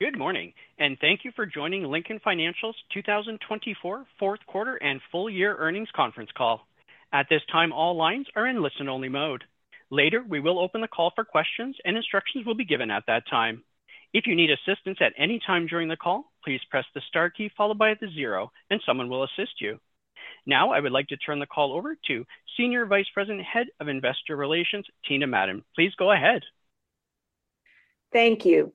Good morning, and thank you for joining Lincoln Financial's 2024 Fourth Quarter and Full Year Earnings Conference Call. At this time, all lines are in listen-only mode. Later, we will open the call for questions, and instructions will be given at that time. If you need assistance at any time during the call, please press the star key followed by the zero, and someone will assist you. Now, I would like to turn the call over to Senior Vice President, Head of Investor Relations, Tina Madon. Please go ahead. Thank you.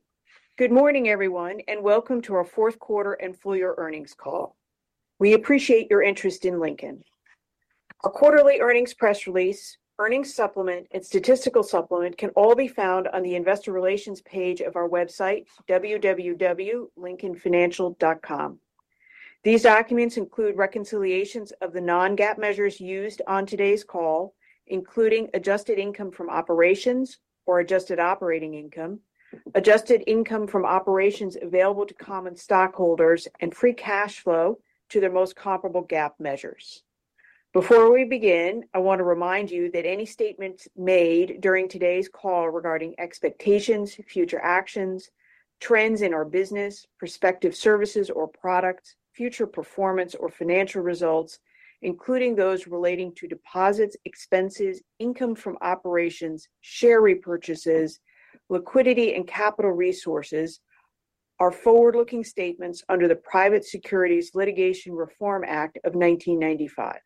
Good morning, everyone, and welcome to our Fourth Quarter and Full Year Earnings call. We appreciate your interest in Lincoln. Our quarterly earnings press release, earnings supplement, and statistical supplement can all be found on the Investor Relations page of our website, www.lincolnfinancial.com. These documents include reconciliations of the non-GAAP measures used on today's call, including adjusted income from operations, or adjusted operating income, adjusted income from operations available to common stockholders, and free cash flow to their most comparable GAAP measures. Before we begin, I want to remind you that any statements made during today's call regarding expectations, future actions, trends in our business, prospective services or products, future performance or financial results, including those relating to deposits, expenses, income from operations, share repurchases, liquidity, and capital resources, are forward-looking statements under the Private Securities Litigation Reform Act of 1995.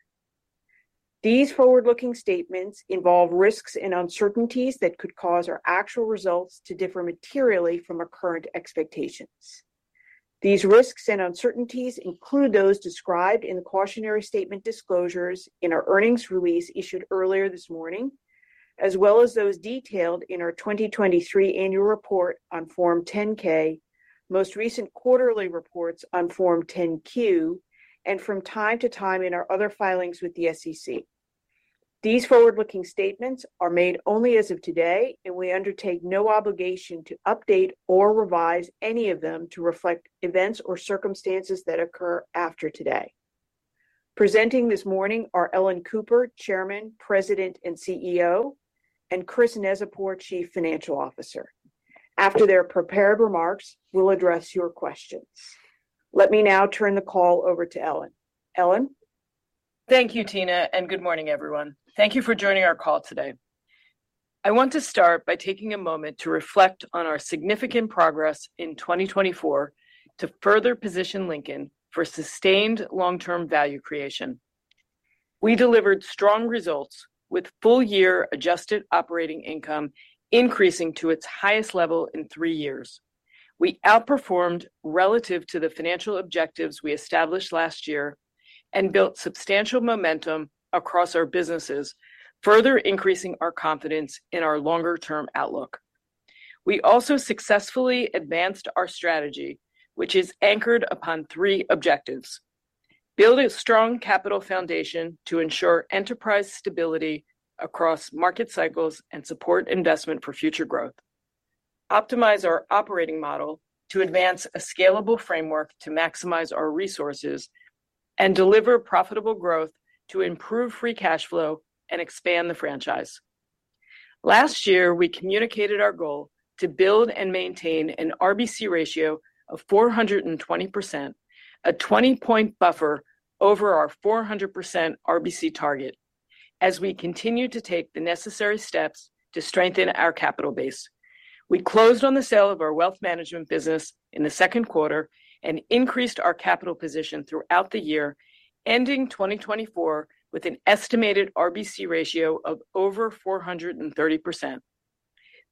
These forward-looking statements involve risks and uncertainties that could cause our actual results to differ materially from our current expectations. These risks and uncertainties include those described in the cautionary statement disclosures in our earnings release issued earlier this morning, as well as those detailed in our 2023 annual report on Form 10-K, most recent quarterly reports on Form 10-Q, and from time to time in our other filings with the SEC. These forward-looking statements are made only as of today, and we undertake no obligation to update or revise any of them to reflect events or circumstances that occur after today. Presenting this morning are Ellen Cooper, Chairman, President, and CEO, and Chris Neczypor, Chief Financial Officer. After their prepared remarks, we'll address your questions. Let me now turn the call over to Ellen. Ellen. Thank you, Tina, and good morning, everyone. Thank you for joining our call today. I want to start by taking a moment to reflect on our significant progress in 2024 to further position Lincoln for sustained long-term value creation. We delivered strong results, with full-year adjusted operating income increasing to its highest level in three years. We outperformed relative to the financial objectives we established last year and built substantial momentum across our businesses, further increasing our confidence in our longer-term outlook. We also successfully advanced our strategy, which is anchored upon three objectives: build a strong capital foundation to ensure enterprise stability across market cycles and support investment for future growth, optimize our operating model to advance a scalable framework to maximize our resources, and deliver profitable growth to improve free cash flow and expand the franchise. Last year, we communicated our goal to build and maintain an RBC ratio of 420%, a 20-point buffer over our 400% RBC target, as we continue to take the necessary steps to strengthen our capital base. We closed on the sale of our wealth management business in the second quarter and increased our capital position throughout the year, ending 2024 with an estimated RBC ratio of over 430%.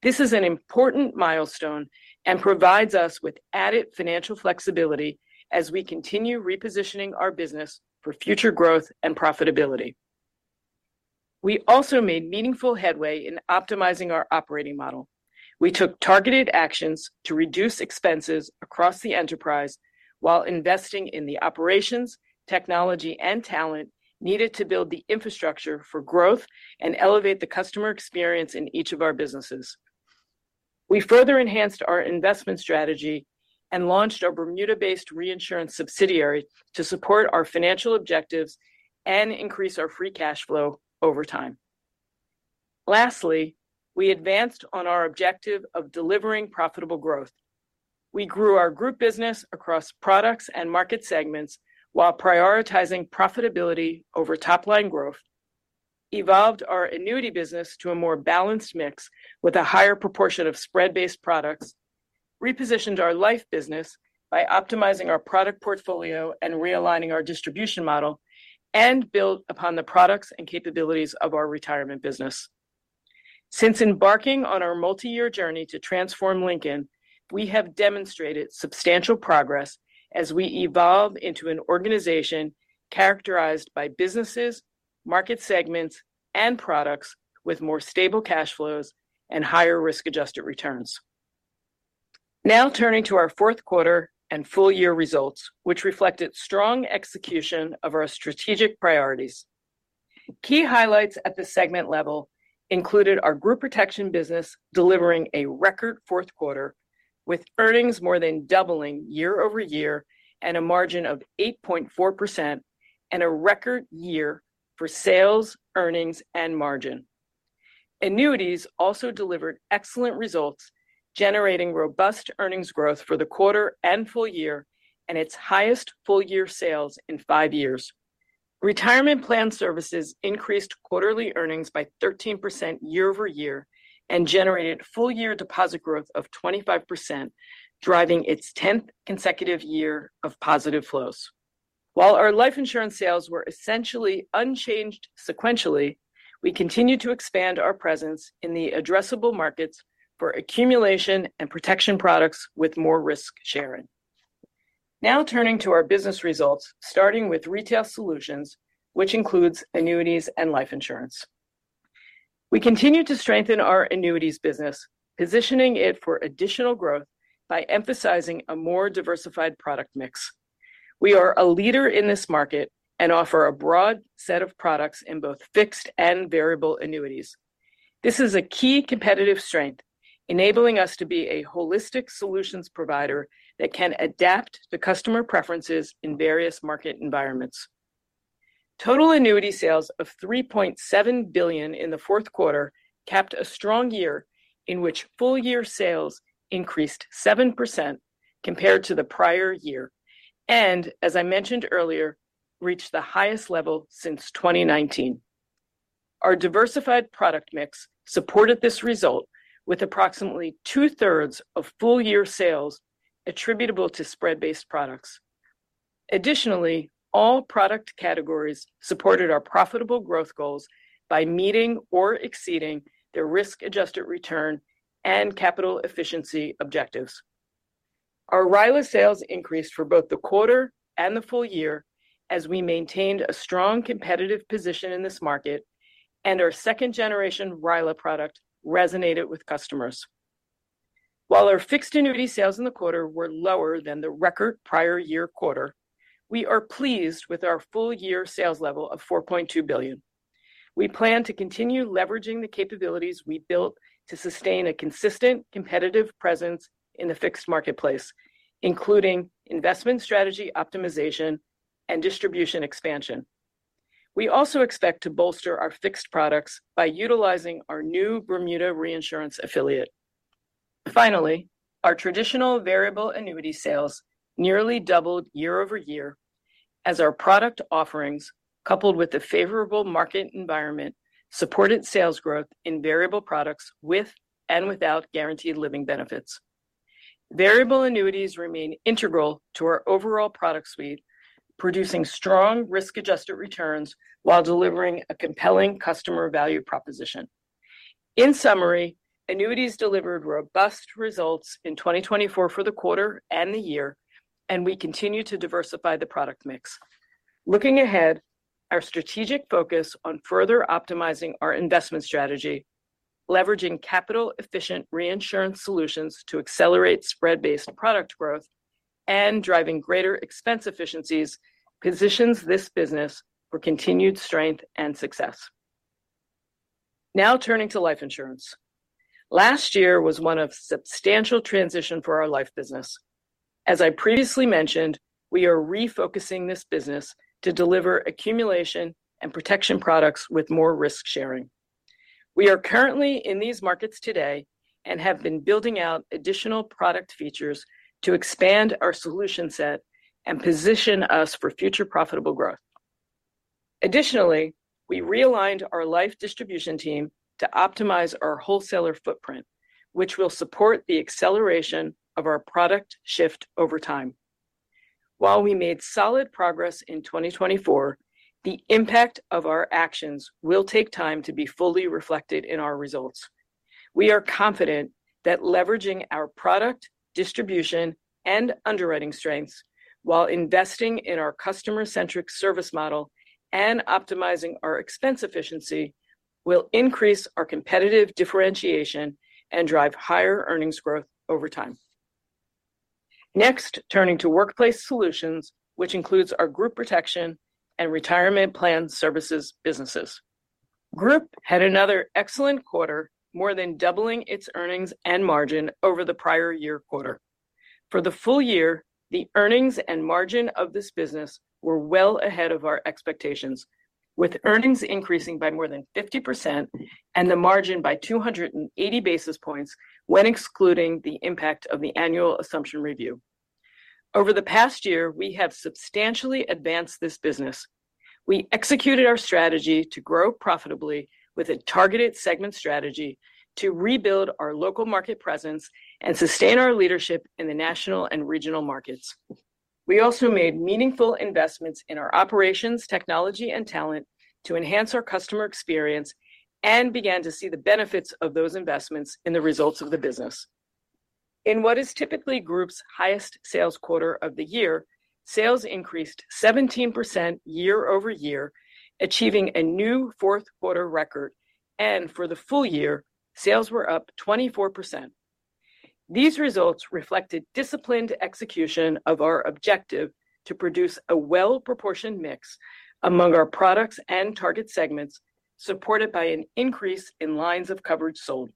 This is an important milestone and provides us with added financial flexibility as we continue repositioning our business for future growth and profitability. We also made meaningful headway in optimizing our operating model. We took targeted actions to reduce expenses across the enterprise while investing in the operations, technology, and talent needed to build the infrastructure for growth and elevate the customer experience in each of our businesses. We further enhanced our investment strategy and launched a Bermuda-based reinsurance subsidiary to support our financial objectives and increase our free cash flow over time. Lastly, we advanced on our objective of delivering profitable growth. We grew our Group business across products and market segments while prioritizing profitability over top-line growth, evolved our annuity business to a more balanced mix with a higher proportion of spread-based products, repositioned our Life business by optimizing our product portfolio and realigning our distribution model, and built upon the products and capabilities of our retirement business. Since embarking on our multi-year journey to transform Lincoln, we have demonstrated substantial progress as we evolve into an organisation characterised by businesses, market segments, and products with more stable cash flows and higher risk-adjusted returns. Now, turning to our fourth quarter and full year results, which reflected strong execution of our strategic priorities. Key highlights at the segment level included our Group Protection business delivering a record fourth quarter, with earnings more than doubling year-over-year and a margin of 8.4%, and a record year for sales, earnings, and margin. Annuities also delivered excellent results, generating robust earnings growth for the quarter and full year and its highest full-year sales in five years. Retirement Plan Services increased quarterly earnings by 13% year-over-year and generated full-year deposit growth of 25%, driving its 10th consecutive year of positive flows. While our Life Insurance sales were essentially unchanged sequentially, we continue to expand our presence in the addressable markets for accumulation and Protection products with more risk sharing. Now, turning to our business results, starting with Retail Solutions, which includes Annuities and Life Insurance. We continue to strengthen our Annuities business, positioning it for additional growth by emphasizing a more diversified product mix. We are a leader in this market and offer a broad set of products in both fixed and variable annuities. This is a key competitive strength, enabling us to be a holistic solutions provider that can adapt to customer preferences in various market environments. Total annuity sales of $3.7 billion in the fourth quarter capped a strong year in which full-year sales increased 7% compared to the prior year and, as I mentioned earlier, reached the highest level since 2019. Our diversified product mix supported this result with approximately two-thirds of full-year sales attributable to spread-based products. Additionally, all product categories supported our profitable growth goals by meeting or exceeding their risk-adjusted return and capital efficiency objectives. Our RILA sales increased for both the quarter and the full year as we maintained a strong competitive position in this market, and our second generation RILA product resonated with customers. While our fixed annuity sales in the quarter were lower than the record prior year quarter, we are pleased with our full-year sales level of $4.2 billion. We plan to continue leveraging the capabilities we built to sustain a consistent competitive presence in the fixed marketplace, including investment strategy optimisation and distribution expansion. We also expect to bolster our fixed products by utilizing our new Bermuda Reinsurance affiliate. Finally, our traditional variable annuity sales nearly doubled year-over-year as our product offerings, coupled with the favourable market environment, supported sales growth in variable products with and without guaranteed living benefits. variable annuities remain integral to our overall product suite, producing strong risk-adjusted returns while delivering a compelling customer value proposition. In summary, Annuities delivered robust results in 2024 for the quarter and the year, and we continue to diversify the product mix. Looking ahead, our strategic focus on further optimising our investment strategy, leveraging capital-efficient reinsurance solutions to accelerate spread-based product growth, and driving greater expense efficiencies positions this business for continued strength and success. Now, turning to Life Insurance. Last year was one of substantial transition for our Life business. As I previously mentioned, we are refocusing this business to deliver accumulation and Protection products with more risk sharing. We are currently in these markets today and have been building out additional product features to expand our solution set and position us for future profitable growth. Additionally, we realigned our life distribution team to optimise our wholesaler footprint, which will support the acceleration of our product shift over time. While we made solid progress in 2024, the impact of our actions will take time to be fully reflected in our results. We are confident that leveraging our product, distribution, and underwriting strengths while investing in our customer-centric service model and optimising our expense efficiency will increase our competitive differentiation and drive higher earnings growth over time. Next, turning to Workplace Solutions, which includes our Group Protection and Retirement Plan Services businesses. Group had another excellent quarter, more than doubling its earnings and margin over the prior year quarter. For the full year, the earnings and margin of this business were well ahead of our expectations, with earnings increasing by more than 50% and the margin by 280 basis points when excluding the impact of the annual assumption review. Over the past year, we have substantially advanced this business. We executed our strategy to grow profitably with a targeted segment strategy to rebuild our local market presence and sustain our leadership in the national and regional markets. We also made meaningful investments in our operations, technology, and talent to enhance our customer experience and began to see the benefits of those investments in the results of the business. In what is typically Group's highest sales quarter of the year, sales increased 17% year-over-year, achieving a new fourth quarter record, and for the full year, sales were up 24%. These results reflected disciplined execution of our objective to produce a well-proportioned mix among our products and target segments, supported by an increase in lines of coverage sold.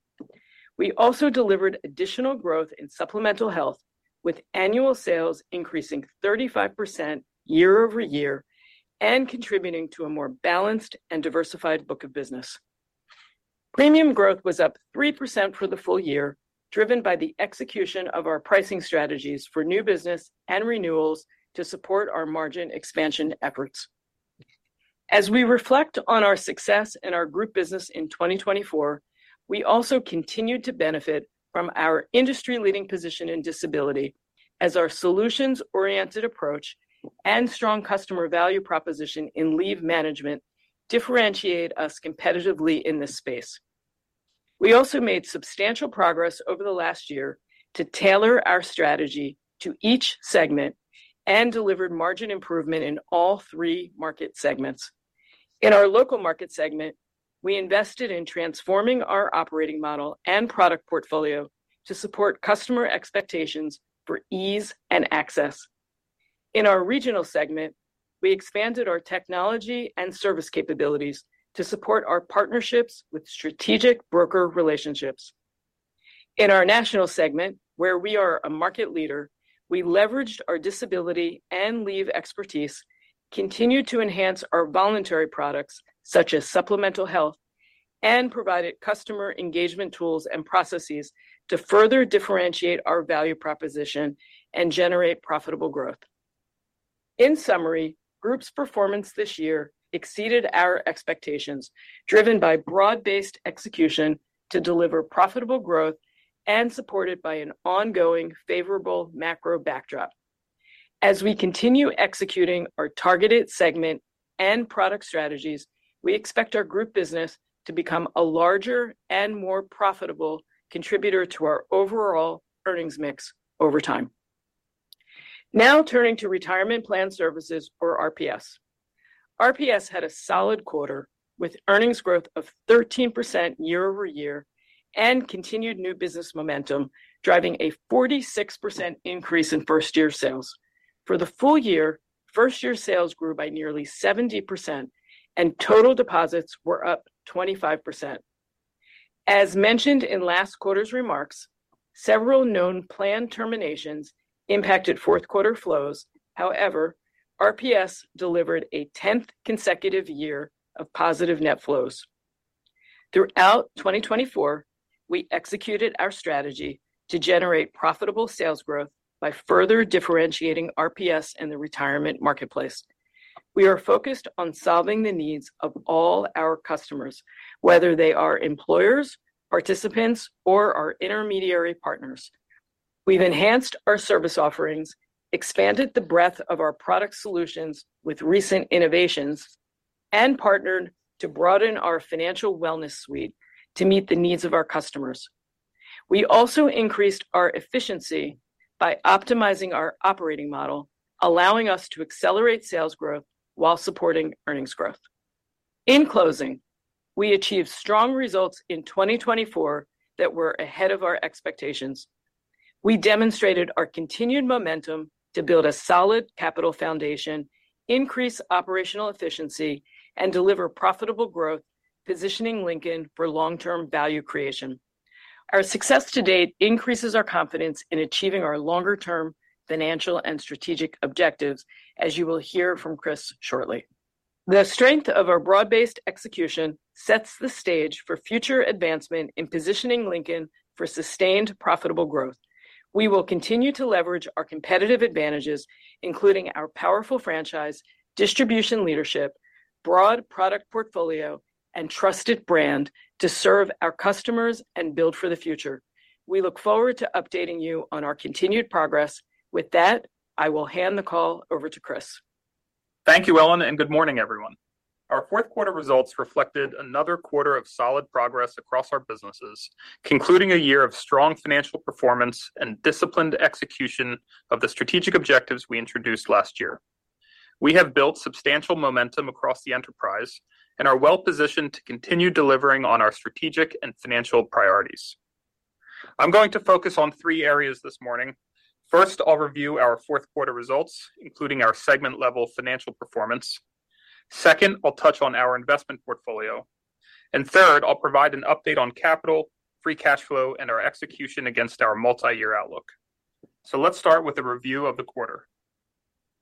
We also delivered additional growth in supplemental health, with annual sales increasing 35% year-over-year and contributing to a more balanced and diversified book of business. Premium growth was up 3% for the full year, driven by the execution of our pricing strategies for new business and renewals to support our margin expansion efforts. As we reflect on our success in our Group business in 2024, we also continued to benefit from our industry-leading position in disability, as our solutions-oriented approach and strong customer value proposition in leave management differentiate us competitively in this space. We also made substantial progress over the last year to tailor our strategy to each segment and delivered margin improvement in all three market segments. In our local market segment, we invested in transforming our operating model and product portfolio to support customer expectations for ease and access. In our regional segment, we expanded our technology and service capabilities to support our partnerships with strategic broker relationships. In our national segment, where we are a market leader, we leveraged our disability and leave expertise, continued to enhance our voluntary products, such as supplemental health, and provided customer engagement tools and processes to further differentiate our value proposition and generate profitable growth. In summary, Group's performance this year exceeded our expectations, driven by broad-based execution to deliver profitable growth and supported by an ongoing favorable macro backdrop. As we continue executing our targeted segment and product strategies, we expect our Group business to become a larger and more profitable contributor to our overall earnings mix over time. Now, turning to Retirement Plan Services, or RPS. RPS had a solid quarter with earnings growth of 13% year-over-year and continued new business momentum, driving a 46% increase in first-year sales. For the full year, first-year sales grew by nearly 70%, and total deposits were up 25%. As mentioned in last quarter's remarks, several known plan terminations impacted fourth quarter flows. However, RPS delivered a 10th consecutive year of positive net flows. Throughout 2024, we executed our strategy to generate profitable sales growth by further differentiating RPS and the retirement marketplace. We are focused on solving the needs of all our customers, whether they are employers, participants, or our intermediary partners. We've enhanced our service offerings, expanded the breadth of our product solutions with recent innovations, and partnered to broaden our financial wellness suite to meet the needs of our customers. We also increased our efficiency by optimizing our operating model, allowing us to accelerate sales growth while supporting earnings growth. In closing, we achieved strong results in 2024 that were ahead of our expectations. We demonstrated our continued momentum to build a solid capital foundation, increase operational efficiency, and deliver profitable growth, positioning Lincoln for long-term value creation. Our success to date increases our confidence in achieving our longer-term financial and strategic objectives, as you will hear from Chris shortly. The strength of our broad-based execution sets the stage for future advancement in positioning Lincoln for sustained profitable growth. We will continue to leverage our competitive advantages, including our powerful franchise, distribution leadership, broad product portfolio, and trusted brand, to serve our customers and build for the future. We look forward to updating you on our continued progress. With that, I will hand the call over to Chris. Thank you, Ellen, and good morning, everyone. Our fourth quarter results reflected another quarter of solid progress across our businesses, concluding a year of strong financial performance and disciplined execution of the strategic objectives we introduced last year. We have built substantial momentum across the enterprise and are well positioned to continue delivering on our strategic and financial priorities. I'm going to focus on three areas this morning. First, I'll review our fourth quarter results, including our segment-level financial performance. Second, I'll touch on our investment portfolio. And third, I'll provide an update on capital, free cash flow, and our execution against our multi-year outlook. So let's start with a review of the quarter.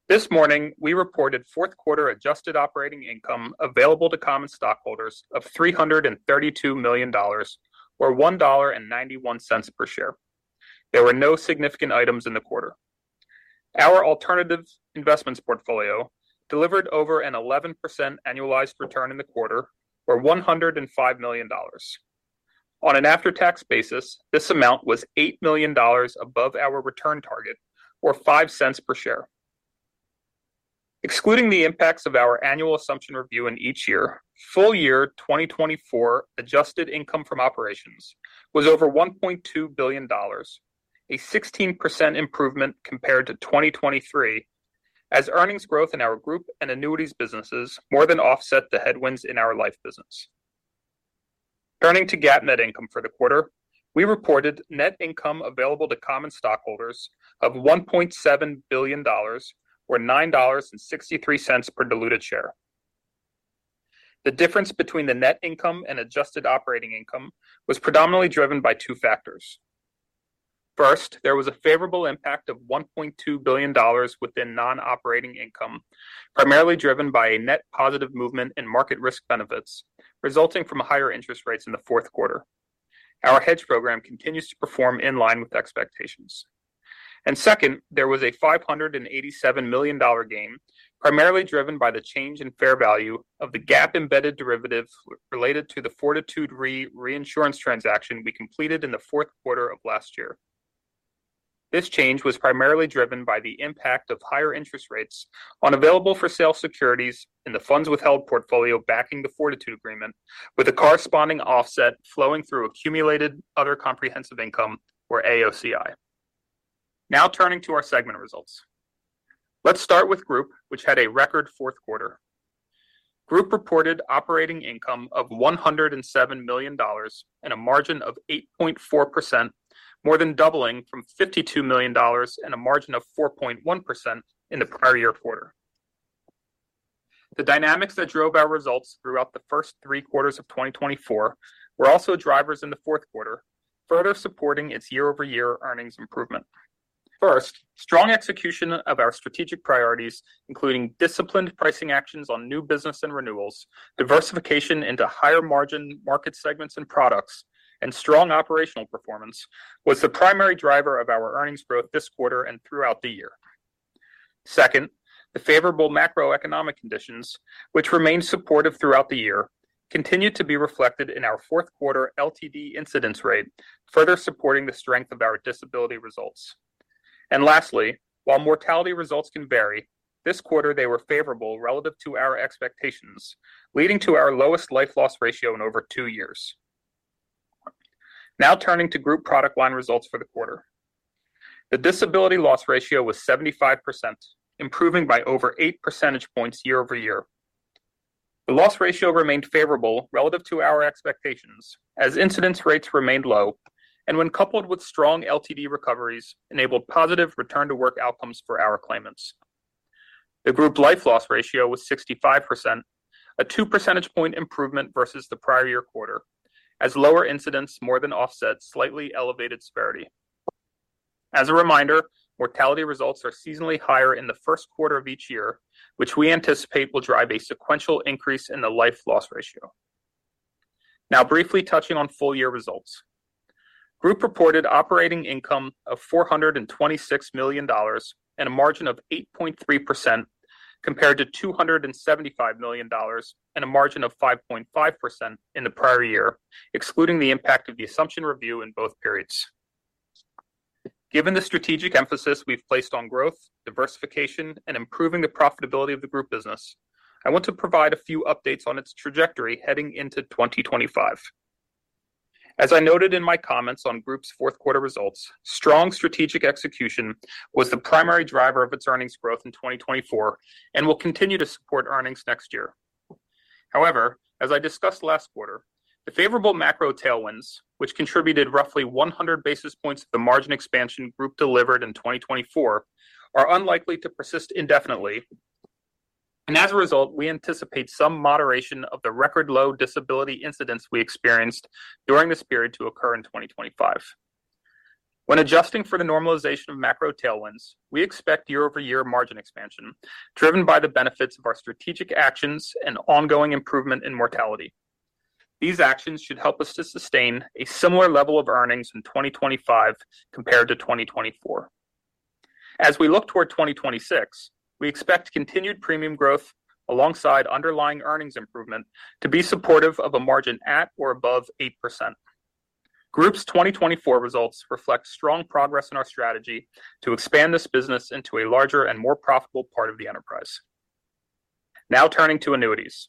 This morning, we reported fourth quarter adjusted operating income available to common stockholders of $332 million, or $1.91 per share. There were no significant items in the quarter. Our alternative investments portfolio delivered over an 11% annualized return in the quarter, or $105 million. On an after-tax basis, this amount was $8 million above our return target, or $0.05 per share. Excluding the impacts of our annual assumption review in each year, full year 2024 adjusted income from operations was over $1.2 billion, a 16% improvement compared to 2023, as earnings growth in our Group and Annuities businesses more than offset the headwinds in our Life business. Turning to GAAP net income for the quarter, we reported net income available to common stockholders of $1.7 billion, or $9.63 per diluted share. The difference between the net income and adjusted operating income was predominantly driven by two factors. First, there was a favourable impact of $1.2 billion within non-operating income, primarily driven by a net positive movement in market risk benefits resulting from higher interest rates in the fourth quarter. Our hedge program continues to perform in line with expectations. And second, there was a $587 million gain, primarily driven by the change in fair value of the GAAP embedded derivative related to the Fortitude Re reinsurance transaction we completed in the fourth quarter of last year. This change was primarily driven by the impact of higher interest rates on available for sale securities in the funds withheld portfolio backing the Fortitude agreement, with the corresponding offset flowing through accumulated other comprehensive income, or AOCI. Now, turning to our segment results. Let's start with Group, which had a record fourth quarter. Group reported operating income of $107 million and a margin of 8.4%, more than doubling from $52 million and a margin of 4.1% in the prior year quarter. The dynamics that drove our results throughout the first three quarters of 2024 were also drivers in the fourth quarter, further supporting its year-over-year earnings improvement. First, strong execution of our strategic priorities, including disciplined pricing actions on new business and renewals, diversification into higher margin market segments and products, and strong operational performance was the primary driver of our earnings growth this quarter and throughout the year. Second, the favorable macroeconomic conditions, which remained supportive throughout the year, continued to be reflected in our fourth quarter LTD incidence rate, further supporting the strength of our disability results. And lastly, while mortality results can vary, this quarter they were favorable relative to our expectations, leading to our lowest life loss ratio in over two years. Now, turning to Group product line results for the quarter. The disability loss ratio was 75%, improving by over 8 percentage points year-over-year. The loss ratio remained favorable relative to our expectations, as incidence rates remained low, and when coupled with strong LTD recoveries enabled positive return-to-work outcomes for our claimants. The Group life loss ratio was 65%, a 2 percentage point improvement versus the prior year quarter, as lower incidence more than offset slightly elevated severity. As a reminder, mortality results are seasonally higher in the first quarter of each year, which we anticipate will drive a sequential increase in the life loss ratio. Now, briefly touching on full year results. Group reported operating income of $426 million and a margin of 8.3% compared to $275 million and a margin of 5.5% in the prior year, excluding the impact of the assumption review in both periods. Given the strategic emphasis we've placed on growth, diversification, and improving the profitability of the Group business, I want to provide a few updates on its trajectory heading into 2025. As I noted in my comments on Group's fourth quarter results, strong strategic execution was the primary driver of its earnings growth in 2024 and will continue to support earnings next year. However, as I discussed last quarter, the favorable macro tailwinds, which contributed roughly 100 basis points of the margin expansion Group delivered in 2024, are unlikely to persist indefinitely and as a result, we anticipate some moderation of the record low disability incidents we experienced during this period to occur in 2025. When adjusting for the normalisation of macro tailwinds, we expect year-over-year margin expansion driven by the benefits of our strategic actions and ongoing improvement in mortality. These actions should help us to sustain a similar level of earnings in 2025 compared to 2024. As we look toward 2026, we expect continued premium growth alongside underlying earnings improvement to be supportive of a margin at or above 8%. Group's 2024 results reflect strong progress in our strategy to expand this business into a larger and more profitable part of the enterprise. Now, turning to Annuities.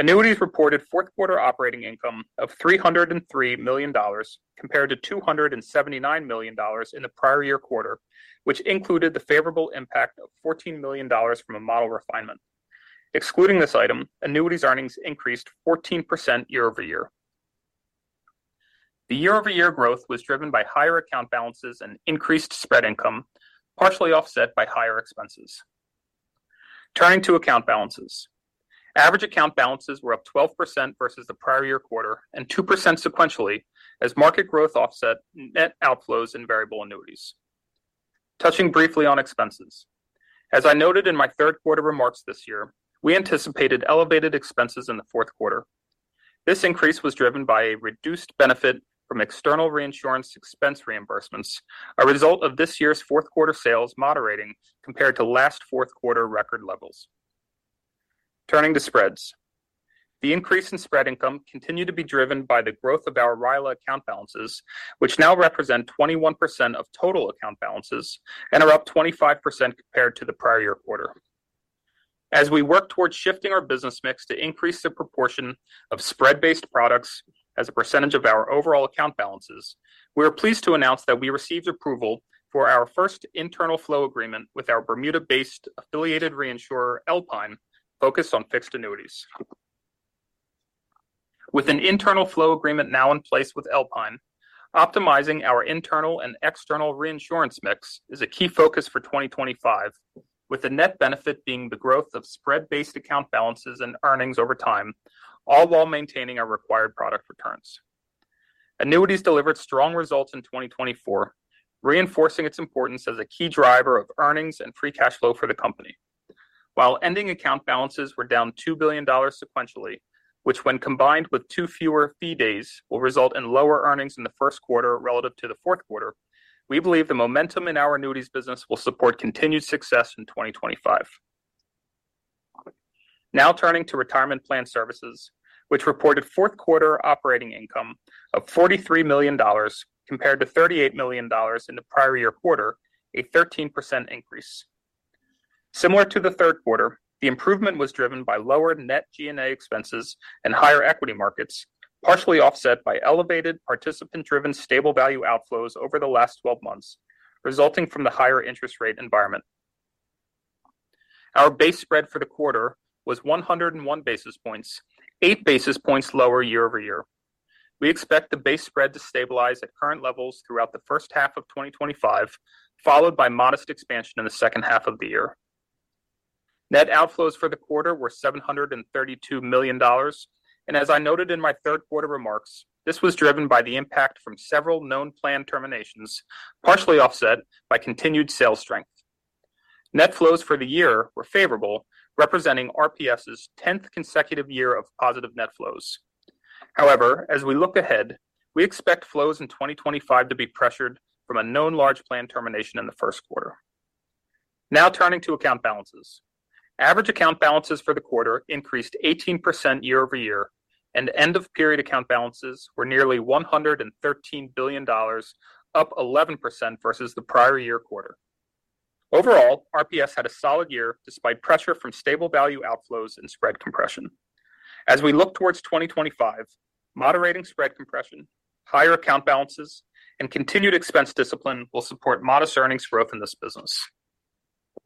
Annuities reported fourth quarter operating income of $303 million compared to $279 million in the prior year quarter, which included the favorable impact of $14 million from a model refinement. Excluding this item, Annuities earnings increased 14% year-over-year. The year-over-year growth was driven by higher account balances and increased spread income, partially offset by higher expenses. Turning to account balances. Average account balances were up 12% versus the prior year quarter and 2% sequentially as market growth offset net outflows in variable annuities. Touching briefly on expenses. As I noted in my third quarter remarks this year, we anticipated elevated expenses in the fourth quarter. This increase was driven by a reduced benefit from external reinsurance expense reimbursements, a result of this year's fourth quarter sales moderating compared to last fourth quarter record levels. Turning to spreads. The increase in spread income continued to be driven by the growth of our RILA account balances, which now represent 21% of total account balances and are up 25% compared to the prior year quarter. As we work towards shifting our business mix to increase the proportion of spread-based products as a percentage of our overall account balances, we are pleased to announce that we received approval for our first internal flow agreement with our Bermuda-based affiliated reinsurer, [Alpine], focused on fixed annuities. With an internal flow agreement now in place with [Alpine], optimising our internal and external reinsurance mix is a key focus for 2025, with the net benefit being the growth of spread-based account balances and earnings over time, all while maintaining our required product returns. Annuities delivered strong results in 2024, reinforcing its importance as a key driver of earnings and free cash flow for the company. While ending account balances were down $2 billion sequentially, which when combined with two fewer fee days will result in lower earnings in the first quarter relative to the fourth quarter, we believe the momentum in our Annuities business will support continued success in 2025. Now turning to Retirement Plan Services, which reported fourth quarter operating income of $43 million compared to $38 million in the prior year quarter, a 13% increase. Similar to the third quarter, the improvement was driven by lower net G&A expenses and higher equity markets, partially offset by elevated participant-driven stable value outflows over the last 12 months, resulting from the higher interest rate environment. Our base spread for the quarter was 101 basis points, 8 basis points lower year-over-year. We expect the base spread to stabilize at current levels throughout the first half of 2025, followed by modest expansion in the second half of the year. Net outflows for the quarter were $732 million, and as I noted in my third quarter remarks, this was driven by the impact from several known plan terminations, partially offset by continued sales strength. Net flows for the year were favorable, representing RPS's 10th consecutive year of positive net flows. However, as we look ahead, we expect flows in 2025 to be pressured from a known large plan termination in the first quarter. Now turning to account balances. Average account balances for the quarter increased 18% year-over-year, and end-of-period account balances were nearly $113 billion, up 11% versus the prior year quarter. Overall, RPS had a solid year despite pressure from stable value outflows and spread compression. As we look towards 2025, moderating spread compression, higher account balances, and continued expense discipline will support modest earnings growth in this business.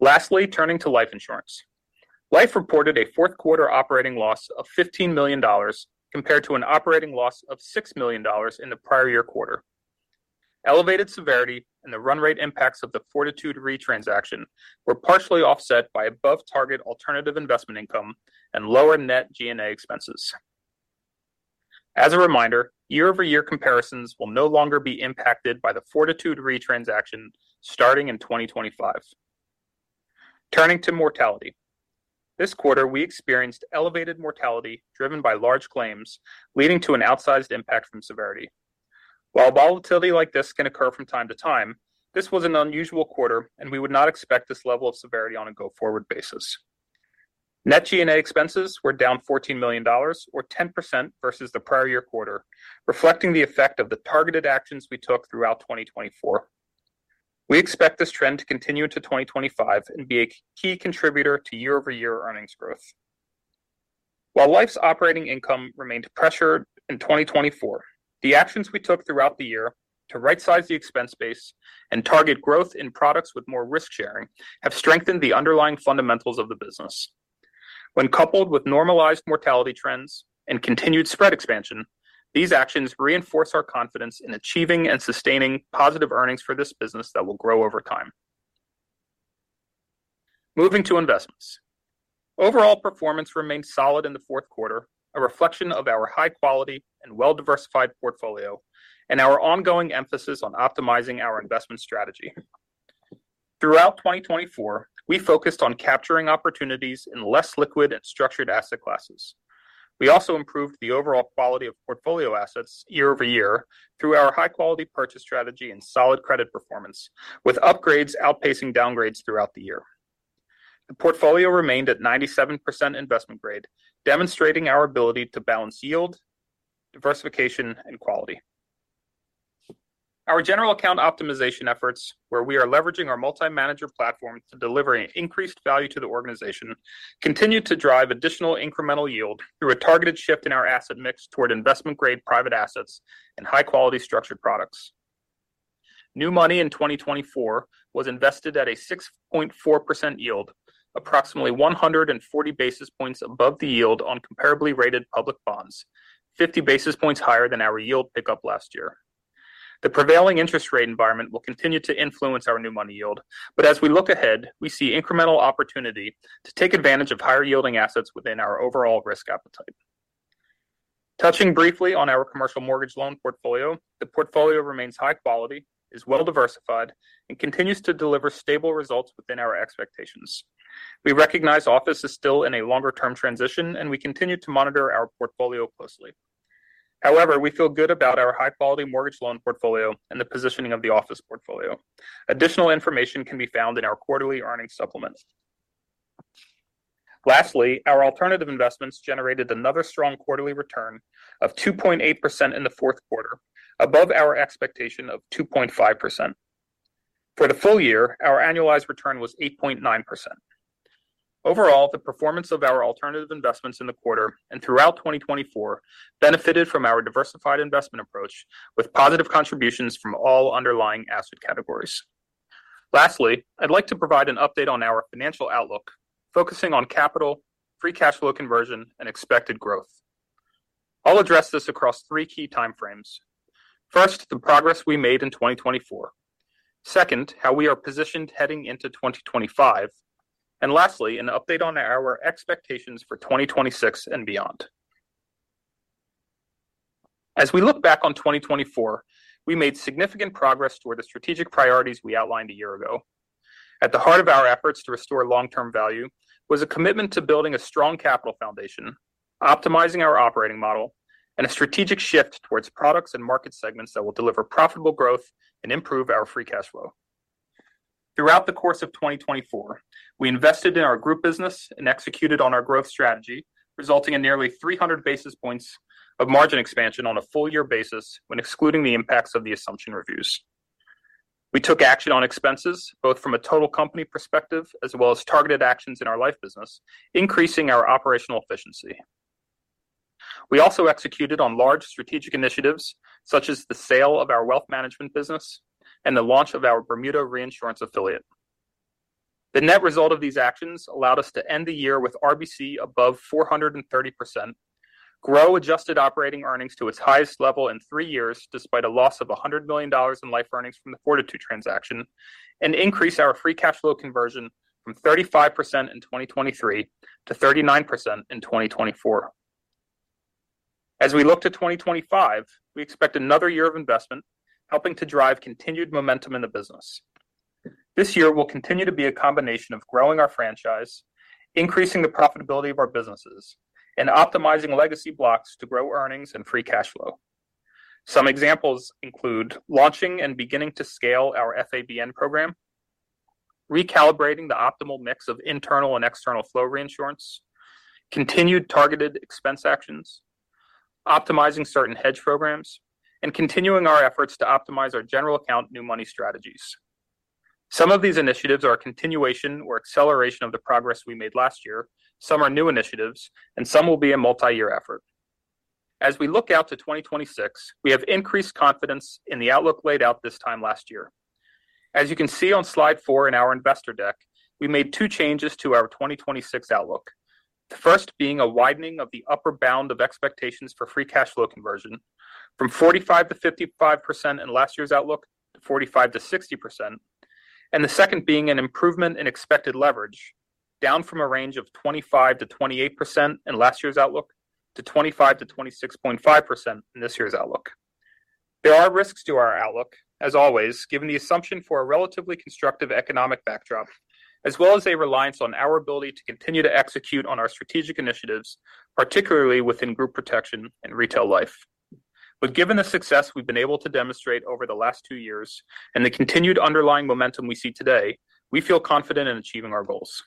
Lastly, turning to Life Insurance. Life reported a fourth quarter operating loss of $15 million compared to an operating loss of $6 million in the prior year quarter. Elevated severity and the run rate impacts of the Fortitude Re transaction were partially offset by above-target alternative investment income and lower net G&A expenses. As a reminder, year-over-year comparisons will no longer be impacted by the Fortitude Re transaction starting in 2025. Turning to mortality. This quarter, we experienced elevated mortality driven by large claims, leading to an outsized impact from severity. While volatility like this can occur from time to time, this was an unusual quarter, and we would not expect this level of severity on a go-forward basis. Net G&A expenses were down $14 million, or 10% versus the prior year quarter, reflecting the effect of the targeted actions we took throughout 2024. We expect this trend to continue into 2025 and be a key contributor to year-over-year earnings growth. While Life's operating income remained pressured in 2024, the actions we took throughout the year to right-size the expense base and target growth in products with more risk-sharing have strengthened the underlying fundamentals of the business. When coupled with normalized mortality trends and continued spread expansion, these actions reinforce our confidence in achieving and sustaining positive earnings for this business that will grow over time. Moving to investments. Overall performance remained solid in the fourth quarter, a reflection of our high-quality and well-diversified portfolio and our ongoing emphasis on optimizing our investment strategy. Throughout 2024, we focused on capturing opportunities in less liquid and structured asset classes. We also improved the overall quality of portfolio assets year-over-year through our high-quality purchase strategy and solid credit performance, with upgrades outpacing downgrades throughout the year. The portfolio remained at 97% investment grade, demonstrating our ability to balance yield, diversification, and quality. Our general account optimization efforts, where we are leveraging our multi-manager platform to deliver increased value to the organization, continue to drive additional incremental yield through a targeted shift in our asset mix toward investment-grade private assets and high-quality structured products. New money in 2024 was invested at a 6.4% yield, approximately 140 basis points above the yield on comparably rated public bonds, 50 basis points higher than our yield pickup last year. The prevailing interest rate environment will continue to influence our new money yield, but as we look ahead, we see incremental opportunity to take advantage of higher-yielding assets within our overall risk appetite. Touching briefly on our commercial mortgage loan portfolio, the portfolio remains high quality, is well-diversified, and continues to deliver stable results within our expectations. We recognise office is still in a longer-term transition, and we continue to monitor our portfolio closely. However, we feel good about our high-quality mortgage loan portfolio and the positioning of the office portfolio. Additional information can be found in our quarterly earnings supplement. Lastly, our alternative investments generated another strong quarterly return of 2.8% in the fourth quarter, above our expectation of 2.5%. For the full year, our annualized return was 8.9%. Overall, the performance of our alternative investments in the quarter and throughout 2024 benefited from our diversified investment approach with positive contributions from all underlying asset categories. Lastly, I'd like to provide an update on our financial outlook, focusing on capital, free cash flow conversion, and expected growth. I'll address this across three key timeframes. First, the progress we made in 2024. Second, how we are positioned heading into 2025. And lastly, an update on our expectations for 2026 and beyond. As we look back on 2024, we made significant progress toward the strategic priorities we outlined a year ago. At the heart of our efforts to restore long-term value was a commitment to building a strong capital foundation, optimizing our operating model, and a strategic shift towards products and market segments that will deliver profitable growth and improve our free cash flow. Throughout the course of 2024, we invested in our Group business and executed on our growth strategy, resulting in nearly 300 basis points of margin expansion on a full-year basis when excluding the impacts of the assumption reviews. We took action on expenses, both from a total company perspective as well as targeted actions in our Life business, increasing our operational efficiency. We also executed on large strategic initiatives such as the sale of our wealth management business and the launch of our Bermuda Reinsurance affiliate. The net result of these actions allowed us to end the year with RBC above 430%, grow adjusted operating earnings to its highest level in three years despite a loss of $100 million in life earnings from the Fortitude transaction, and increase our free cash flow conversion from 35% in 2023 to 39% in 2024. As we look to 2025, we expect another year of investment helping to drive continued momentum in the business. This year will continue to be a combination of growing our franchise, increasing the profitability of our businesses, and optimising legacy blocks to grow earnings and free cash flow. Some examples include launching and beginning to scale our FABN program, recalibrating the optimal mix of internal and external flow reinsurance, continued targeted expense actions, optimizing certain hedge programs, and continuing our efforts to optimize our general account new money strategies. Some of these initiatives are a continuation or acceleration of the progress we made last year. Some are new initiatives, and some will be a multi-year effort. As we look out to 2026, we have increased confidence in the outlook laid out this time last year. As you can see on slide four in our investor deck, we made two changes to our 2026 outlook, the first being a widening of the upper bound of expectations for free cash flow conversion from 45%-55% in last year's outlook to 45%-60%, and the second being an improvement in expected leverage, down from a range of 25%-28% in last year's outlook to 25%-26.5% in this year's outlook. There are risks to our outlook, as always, given the assumption for a relatively constructive economic backdrop, as well as a reliance on our ability to continue to execute on our strategic initiatives, particularly within Group Protection and Retail Life. But given the success we've been able to demonstrate over the last two years and the continued underlying momentum we see today, we feel confident in achieving our goals.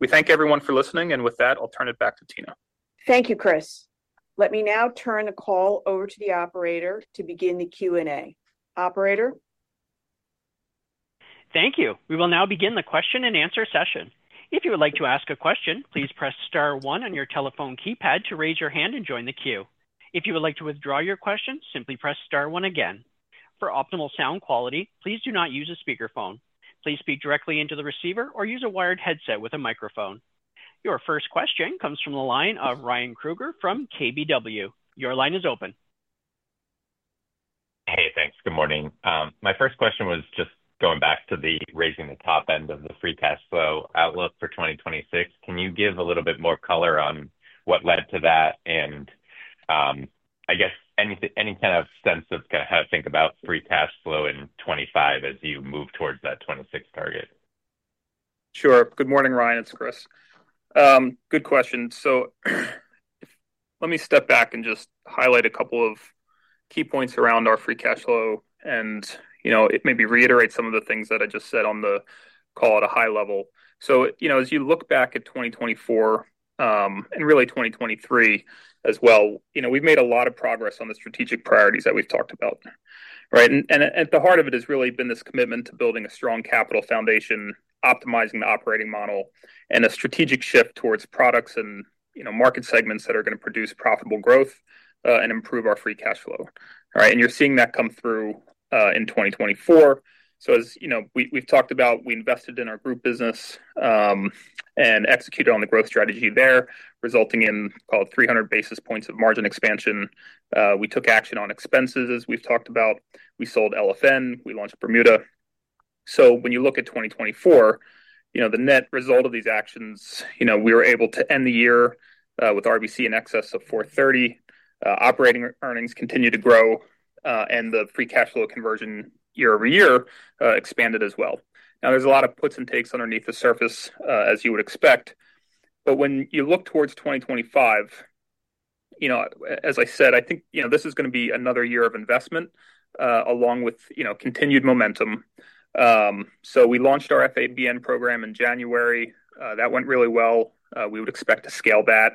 We thank everyone for listening, and with that, I'll turn it back to Tina. Thank you, Chris. Let me now turn the call over to the operator to begin the Q&A. Operator. Thank you. We will now begin the question and answer session. If you would like to ask a question, please press star one on your telephone keypad to raise your hand and join the queue. If you would like to withdraw your question, simply press star one again. For optimal sound quality, please do not use a speakerphone. Please speak directly into the receiver or use a wired headset with a microphone. Your first question comes from the line of Ryan Krueger from KBW. Your line is open. Hey, thanks. Good morning. My first question was just going back to the raising the top end of the free cash flow outlook for 2026. Can you give a little bit more color on what led to that? And I guess any kind of sense of kind of how to think about free cash flow in 2025 as you move towards that 2026 target? Sure. Good morning, Ryan. It's Chris. Good question. So let me step back and just highlight a couple of key points around our free cash flow and maybe reiterate some of the things that I just said on the call at a high level. So as you look back at 2024 and really 2023 as well, we've made a lot of progress on the strategic priorities that we've talked about. And at the heart of it has really been this commitment to building a strong capital foundation, optimising the operating model, and a strategic shift towards products and market segments that are going to produce profitable growth and improve our free cash flow. And you're seeing that come through in 2024. So as we've talked about, we invested in our Group business and executed on the growth strategy there, resulting in, call it, 300 basis points of margin expansion. We took action on expenses, as we've talked about. We sold LFN. We launched Bermuda. So when you look at 2024, the net result of these actions, we were able to end the year with RBC in excess of 430. Operating earnings continued to grow, and the free cash flow conversion year-over-year expanded as well. Now, there's a lot of puts and takes underneath the surface, as you would expect. But when you look towards 2025, as I said, I think this is going to be another year of investment along with continued momentum. So we launched our FABN program in January. That went really well. We would expect to scale that.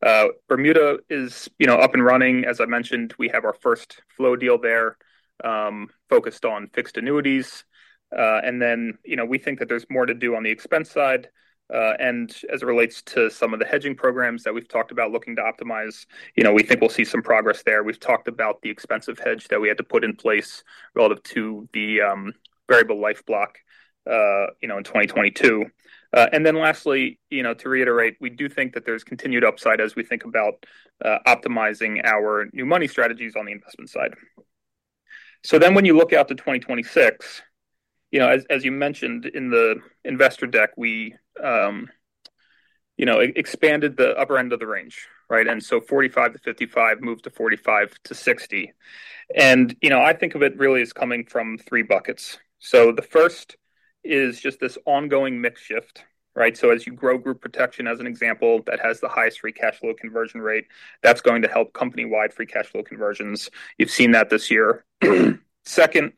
Bermuda is up and running. As I mentioned, we have our first flow deal there focused on fixed annuities. And then we think that there's more to do on the expense side. And as it relates to some of the hedging programs that we've talked about looking to optimize, we think we'll see some progress there. We've talked about the expensive hedge that we had to put in place relative to the variable life block in 2022. And then lastly, to reiterate, we do think that there's continued upside as we think about optimizing our new money strategies on the investment side. So then when you look out to 2026, as you mentioned in the investor deck, we expanded the upper end of the range. And so 45%-55% moved to 45%-60%. And I think of it really as coming from three buckets. So the first is just this ongoing mix shift. So as you grow Group Protection, as an example, that has the highest free cash flow conversion rate, that's going to help company-wide free cash flow conversions. You've seen that this year. Second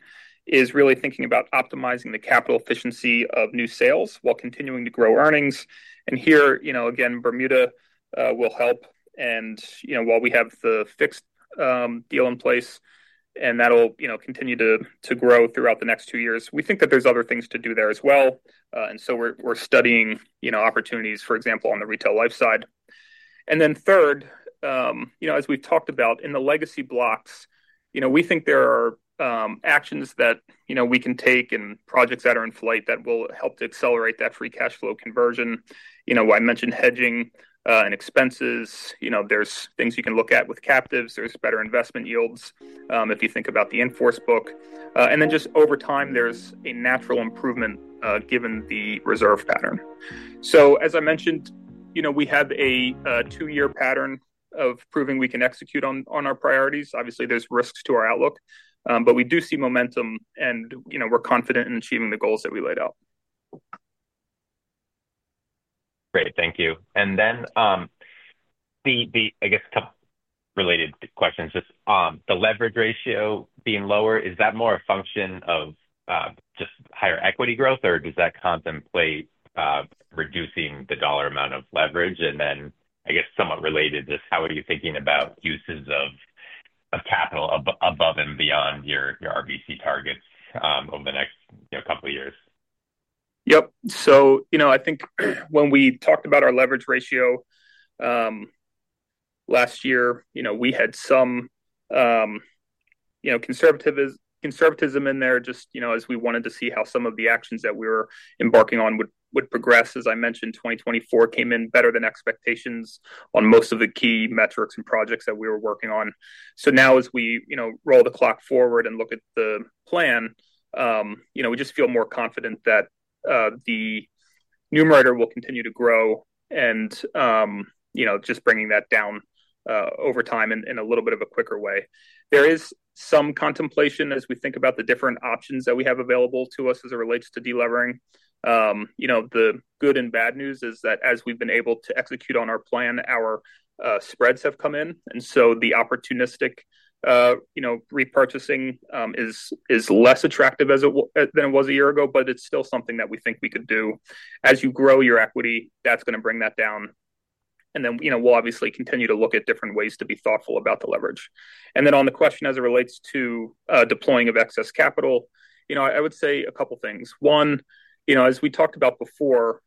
is really thinking about optimizing the capital efficiency of new sales while continuing to grow earnings. And here, again, Bermuda will help. And while we have the fixed deal in place, and that'll continue to grow throughout the next two years, we think that there's other things to do there as well. And so we're studying opportunities, for example, on the Retail Life side. And then third, as we've talked about in the legacy blocks, we think there are actions that we can take and projects that are in flight that will help to accelerate that free cash flow conversion. I mentioned hedging and expenses. There's things you can look at with captives. There's better investment yields if you think about the in-force book. And then just over time, there's a natural improvement given the reserve pattern. So as I mentioned, we have a two-year pattern of proving we can execute on our priorities. Obviously, there's risks to our outlook, but we do see momentum, and we're confident in achieving the goals that we laid out. Great. Thank you, and then the, I guess, related questions, just the leverage ratio being lower, is that more a function of just higher equity growth, or does that contemplate reducing the dollar amount of leverage? And then, I guess, somewhat related, just how are you thinking about uses of capital above and beyond your RBC targets over the next couple of years? Yep, so I think when we talked about our leverage ratio last year, we had some conservatism in there just as we wanted to see how some of the actions that we were embarking on would progress. As I mentioned, 2024 came in better than expectations on most of the key metrics and projects that we were working on. So now, as we roll the clock forward and look at the plan, we just feel more confident that the numerator will continue to grow and just bringing that down over time in a little bit of a quicker way. There is some contemplation as we think about the different options that we have available to us as it relates to delevering. The good and bad news is that as we've been able to execute on our plan, our spreads have come in. And so the opportunistic repurchasing is less attractive than it was a year ago, but it's still something that we think we could do. As you grow your equity, that's going to bring that down. And then we'll obviously continue to look at different ways to be thoughtful about the leverage. Then on the question as it relates to deploying of excess capital, I would say a couple of things. One, as we talked about before,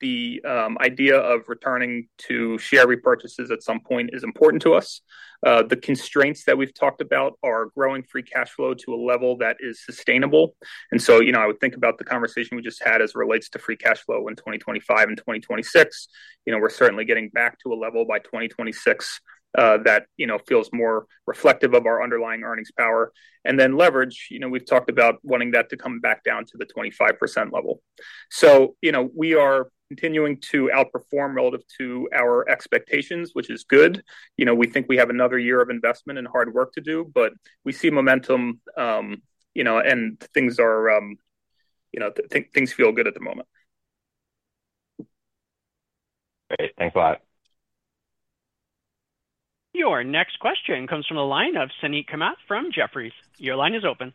the idea of returning to share repurchases at some point is important to us. The constraints that we've talked about are growing free cash flow to a level that is sustainable. So I would think about the conversation we just had as it relates to free cash flow in 2025 and 2026. We're certainly getting back to a level by 2026 that feels more reflective of our underlying earnings power. Then leverage, we've talked about wanting that to come back down to the 25% level. So we are continuing to outperform relative to our expectations, which is good. We think we have another year of investment and hard work to do, but we see momentum and things feel good at the moment. Great. Thanks a lot. Your next question comes from the line of Suneet Kamath from Jefferies. Your line is open.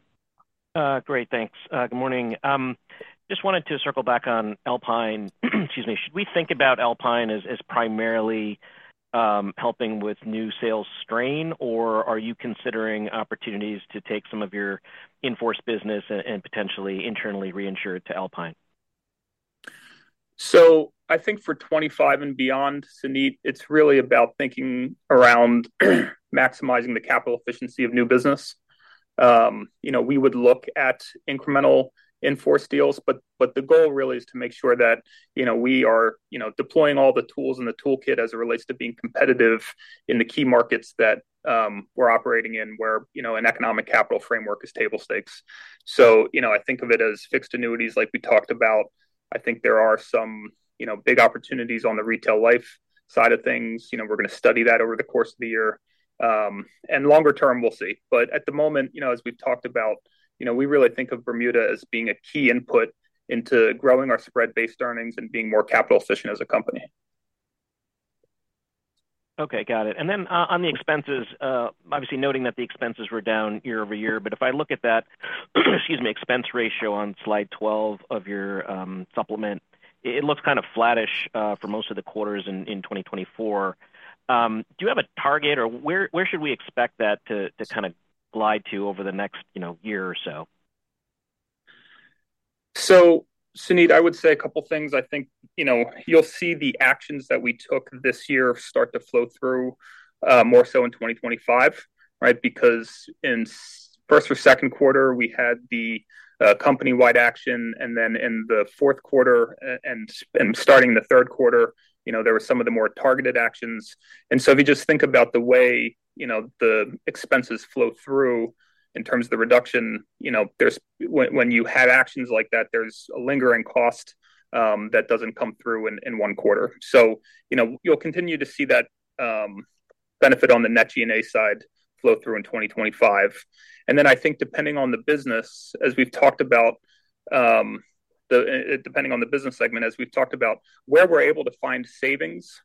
Great. Thanks. Good morning. Just wanted to circle back on [Alpine]. Excuse me. Should we think about [Alpine] as primarily helping with new sales strain, or are you considering opportunities to take some of your in-force business and potentially internally reinsure to [Alpine]? So I think for 2025 and beyond, Suneet, it's really about thinking around maximizing the capital efficiency of new business. We would look at incremental in-force deals, but the goal really is to make sure that we are deploying all the tools in the toolkit as it relates to being competitive in the key markets that we're operating in where an economic capital framework is table stakes. So I think of it as fixed annuities like we talked about. I think there are some big opportunities on the Retail Life side of things. We're going to study that over the course of the year, and longer term, we'll see, but at the moment, as we've talked about, we really think of Bermuda as being a key input into growing our spread-based earnings and being more capital efficient as a company. Okay. Got it, and then on the expenses, obviously noting that the expenses were down year-over-year, but if I look at that, excuse me, expense ratio on slide 12 of your supplement, it looks kind of flattish for most of the quarters in 2024. Do you have a target, or where should we expect that to kind of glide to over the next year or so? So, Suneet, I would say a couple of things. I think you'll see the actions that we took this year start to flow through more so in 2025, right? Because in first or second quarter, we had the company-wide action, and then in the fourth quarter and starting the third quarter, there were some of the more targeted actions, and so if you just think about the way the expenses flow through in terms of the reduction, when you have actions like that, there's a lingering cost that doesn't come through in one quarter, so you'll continue to see that benefit on the net G&A side flow through in 2025. Then I think depending on the business, as we've talked about, depending on the business segment, as we've talked about where we're able to find savings,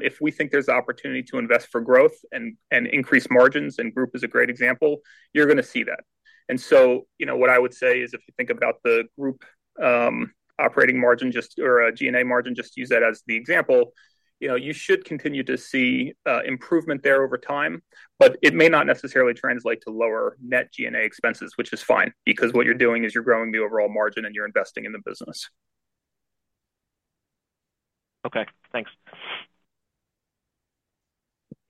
if we think there's an opportunity to invest for growth and increase margins, and Group is a great example, you're going to see that. And so what I would say is if you think about the Group operating margin or G&A margin, just use that as the example, you should continue to see improvement there over time, but it may not necessarily translate to lower net G&A expenses, which is fine because what you're doing is you're growing the overall margin and you're investing in the business. Okay. Thanks.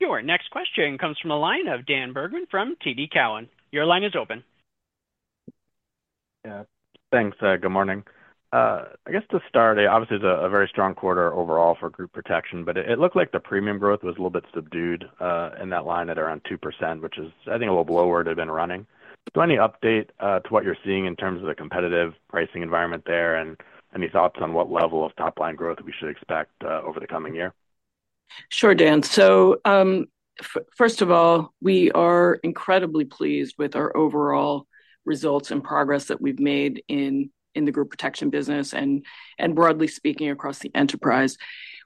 Your next question comes from the line of Dan Bergman from TD Cowen. Your line is open. Yeah. Thanks. Good morning. I guess to start, obviously, it's a very strong quarter overall for Group Protection, but it looked like the premium growth was a little bit subdued in that line at around 2%, which is, I think, a little below where it had been running. Could you update us on what you're seeing in terms of the competitive pricing environment there and any thoughts on what level of top-line growth we should expect over the coming year? Sure, Dan. So first of all, we are incredibly pleased with our overall results and progress that we've made in the Group Protection business and broadly speaking across the enterprise.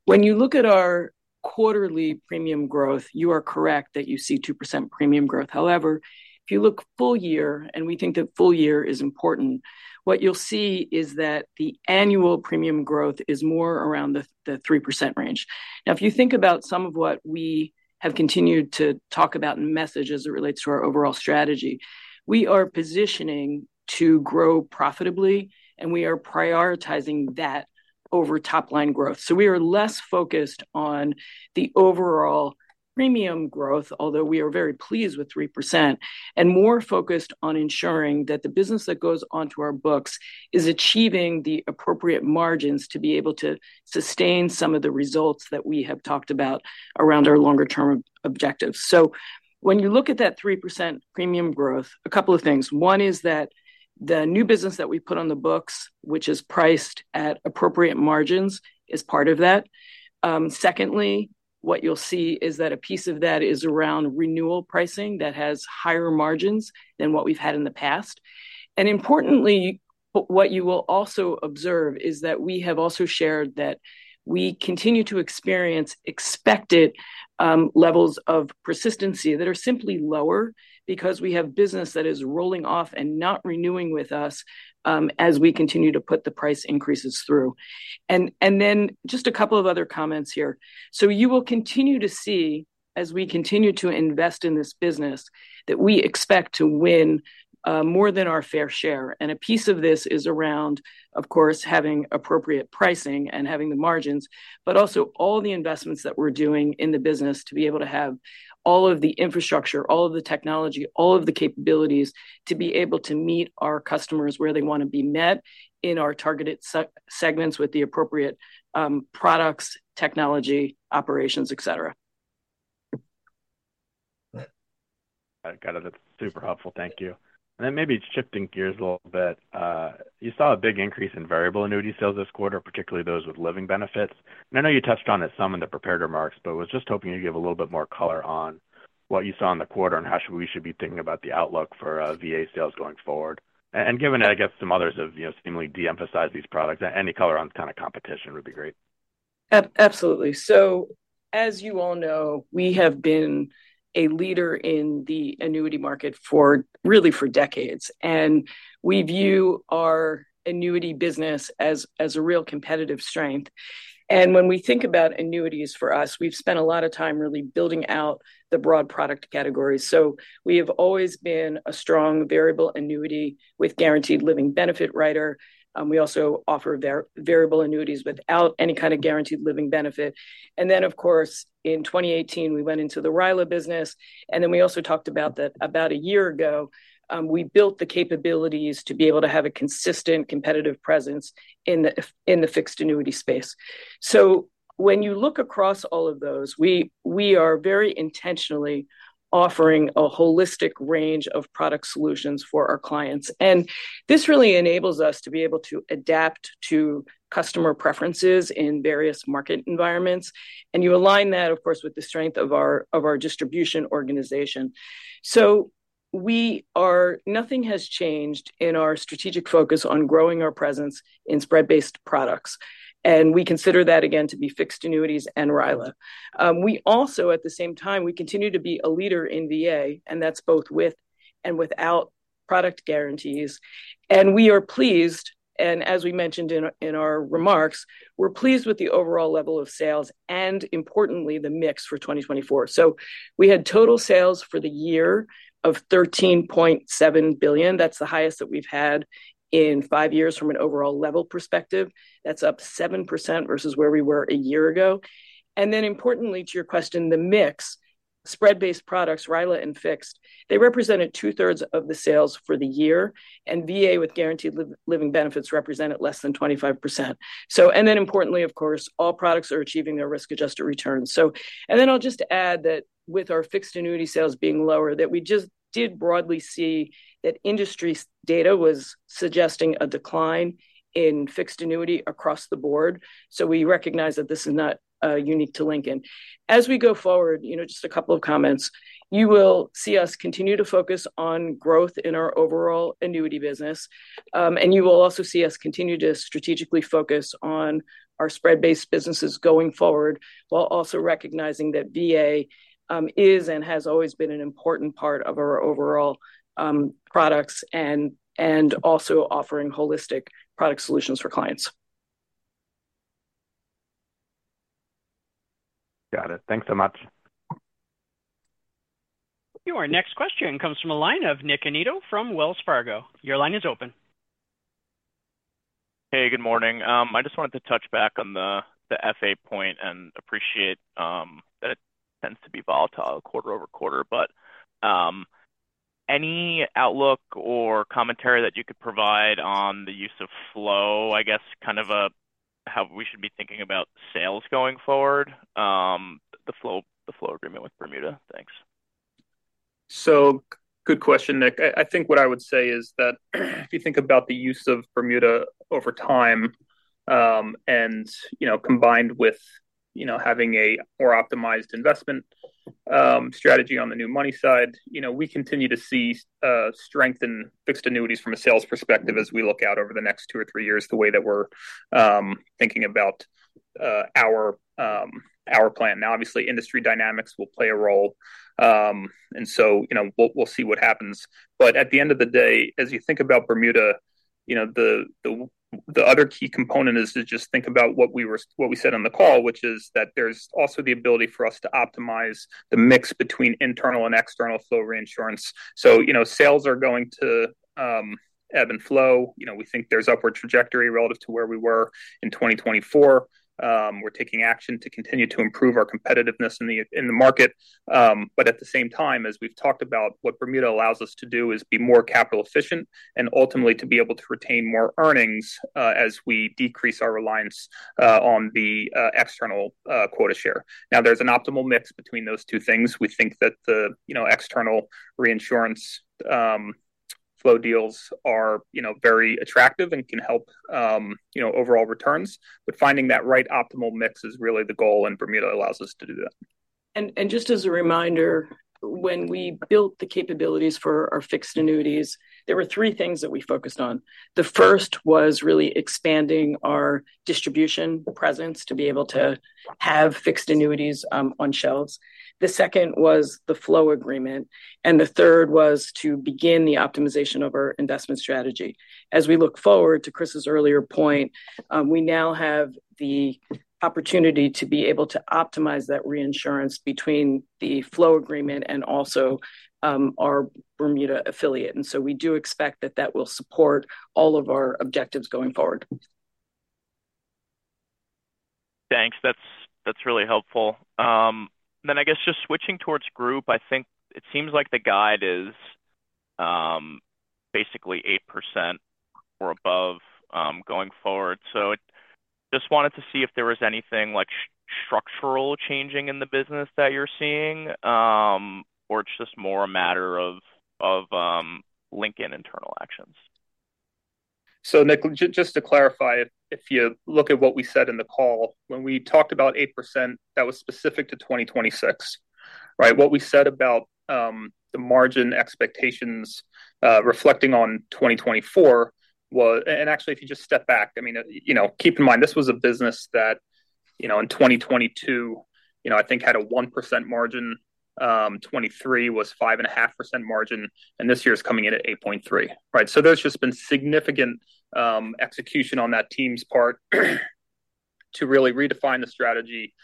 When you look at our quarterly premium growth, you are correct that you see 2% premium growth. However, if you look full year, and we think that full year is important, what you'll see is that the annual premium growth is more around the 3% range. Now, if you think about some of what we have continued to talk about and message as it relates to our overall strategy, we are positioning to grow profitably, and we are prioritizing that over top-line growth, so we are less focused on the overall premium growth, although we are very pleased with 3%, and more focused on ensuring that the business that goes onto our books is achieving the appropriate margins to be able to sustain some of the results that we have talked about around our longer-term objectives, so when you look at that 3% premium growth, a couple of things. One is that the new business that we put on the books, which is priced at appropriate margins, is part of that. Secondly, what you'll see is that a piece of that is around renewal pricing that has higher margins than what we've had in the past. And importantly, what you will also observe is that we have also shared that we continue to experience expected levels of persistency that are simply lower because we have business that is rolling off and not renewing with us as we continue to put the price increases through. And then just a couple of other comments here. So you will continue to see, as we continue to invest in this business, that we expect to win more than our fair share. And a piece of this is around, of course, having appropriate pricing and having the margins, but also all the investments that we're doing in the business to be able to have all of the infrastructure, all of the technology, all of the capabilities to be able to meet our customers where they want to be met in our targeted segments with the appropriate products, technology, operations, etc. Got it. That's super helpful. Thank you. And then maybe shifting gears a little bit, you saw a big increase in variable annuity sales this quarter, particularly those with living benefits. And I know you touched on it some in the prepared remarks, but was just hoping you'd give a little bit more color on what you saw in the quarter and how we should be thinking about the outlook for VA sales going forward. And given that, I guess, some others have seemingly de-emphasized these products, any color on kind of competition would be great? Absolutely. So as you all know, we have been a leader in the annuity market really for decades. And we view our annuity business as a real competitive strength. And when we think about Annuities for us, we've spent a lot of time really building out the broad product categories. So we have always been a strong variable annuity with guaranteed living benefit rider. We also offer variable annuities without any kind of guaranteed living benefit. And then, of course, in 2018, we went into the RILA business. And then we also talked about that, about a year ago, we built the capabilities to be able to have a consistent competitive presence in the fixed annuity space. So when you look across all of those, we are very intentionally offering a holistic range of product solutions for our clients. And this really enables us to be able to adapt to customer preferences in various market environments. And you align that, of course, with the strength of our distribution organization. So nothing has changed in our strategic focus on growing our presence in spread-based products. And we consider that, again, to be fixed annuities and RILA. At the same time, we continue to be a leader in VA, and that's both with and without product guarantees. And we are pleased, and as we mentioned in our remarks, we're pleased with the overall level of sales and, importantly, the mix for 2024. So we had total sales for the year of $13.7 billion. That's the highest that we've had in five years from an overall level perspective. That's up 7% versus where we were a year ago. And then, importantly, to your question, the mix, spread-based products, RILA and fixed, they represented two-thirds of the sales for the year, and VA with guaranteed living benefits represented less than 25%. And then, importantly, of course, all products are achieving their risk-adjusted returns. And then I'll just add that with our fixed annuity sales being lower, that we just did broadly see that industry data was suggesting a decline in fixed annuity across the board. So we recognize that this is not unique to Lincoln. As we go forward, just a couple of comments, you will see us continue to focus on growth in our overall annuity business. And you will also see us continue to strategically focus on our spread-based businesses going forward while also recognizing that VA is and has always been an important part of our overall products and also offering holistic product solutions for clients. Got it. Thanks so much. Your next question comes from a line of Nick Annitto from Wells Fargo. Your line is open. Hey, good morning. I just wanted to touch back on the FA point and appreciate that it tends to be volatile quarter over quarter. But any outlook or commentary that you could provide on the use of flow, I guess, kind of how we should be thinking about sales going forward, the flow agreement with Bermuda? Thanks. So good question, Nick. I think what I would say is that if you think about the use of Bermuda over time and combined with having a more optimized investment strategy on the new money side, we continue to see strength in fixed annuities from a sales perspective as we look out over the next two or three years the way that we're thinking about our plan. Now, obviously, industry dynamics will play a role, and so we'll see what happens, but at the end of the day, as you think about Bermuda, the other key component is to just think about what we said on the call, which is that there's also the ability for us to optimise the mix between internal and external flow reinsurance. So sales are going to ebb and flow. We think there's upward trajectory relative to where we were in 2024. We're taking action to continue to improve our competitiveness in the market. But at the same time, as we've talked about, what Bermuda allows us to do is be more capital efficient and ultimately to be able to retain more earnings as we decrease our reliance on the external quota share. Now, there's an optimal mix between those two things. We think that the external reinsurance flow deals are very attractive and can help overall returns. But finding that right optimal mix is really the goal, and Bermuda allows us to do that. And just as a reminder, when we built the capabilities for our fixed annuities, there were three things that we focused on. The first was really expanding our distribution presence to be able to have fixed annuities on shelves. The second was the flow agreement. And the third was to begin the optimization of our investment strategy. As we look forward to Chris's earlier point, we now have the opportunity to be able to optimize that reinsurance between the flow agreement and also our Bermuda affiliate. And so we do expect that that will support all of our objectives going forward. Thanks. That's really helpful. Then, I guess, just switching towards Group, I think it seems like the guide is basically 8% or above going forward. So just wanted to see if there was anything structural changing in the business that you're seeing, or it's just more a matter of Lincoln internal actions. So, Nick, just to clarify, if you look at what we said in the call, when we talked about 8%, that was specific to 2026, right? What we said about the margin expectations reflecting on 2024 was, and actually, if you just step back, I mean, keep in mind, this was a business that in 2022, I think, had a 1% margin. 2023 was 5.5% margin. And this year is coming in at 8.3%, right? So there's just been significant execution on that team's part to really redefine the strategy,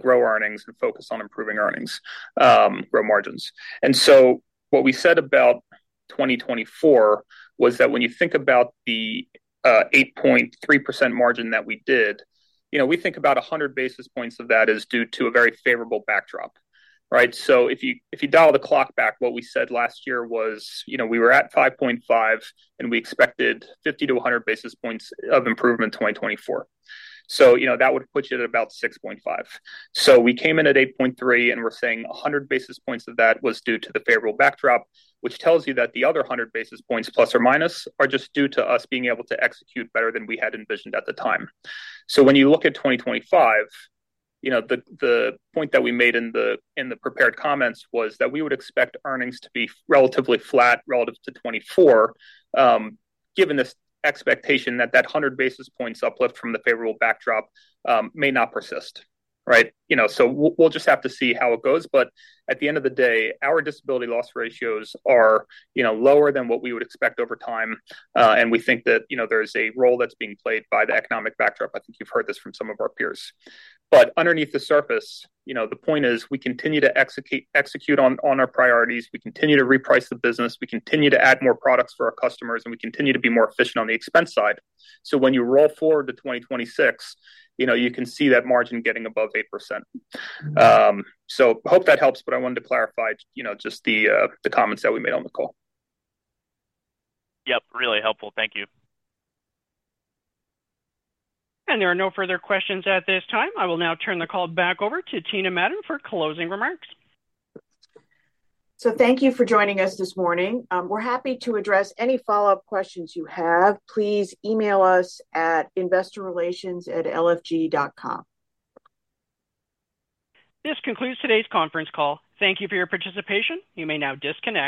grow earnings, and focus on improving earnings, grow margins. And so what we said about 2024 was that when you think about the 8.3% margin that we did, we think about 100 basis points of that is due to a very favorable backdrop, right? So if you dial the clock back, what we said last year was we were at 5.5%, and we expected 50-100 basis points of improvement in 2024. So that would put you at about 6.5%. So we came in at 8.3, and we're saying 100 basis points of that was due to the favorable backdrop, which tells you that the other 100 basis points plus or minus are just due to us being able to execute better than we had envisioned at the time. So when you look at 2025, the point that we made in the prepared comments was that we would expect earnings to be relatively flat relative to 2024, given this expectation that that 100 basis points uplift from the favourable backdrop may not persist, right? So we'll just have to see how it goes. But at the end of the day, our disability loss ratios are lower than what we would expect over time. And we think that there is a role that's being played by the economic backdrop. I think you've heard this from some of our peers. But underneath the surface, the point is we continue to execute on our priorities. We continue to reprice the business. We continue to add more products for our customers, and we continue to be more efficient on the expense side. So when you roll forward to 2026, you can see that margin getting above 8%. So I hope that helps, but I wanted to clarify just the comments that we made on the call. Yep. Really helpful. Thank you. And there are no further questions at this time. I will now turn the call back over to Tina Madon for closing remarks. So thank you for joining us this morning. We're happy to address any follow-up questions you have. Please email us at investorrelations@lfg.com. This concludes today's conference call. Thank you for your participation. You may now disconnect.